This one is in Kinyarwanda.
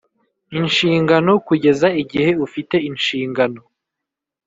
Inshingano kugeza igihe ufite inshingano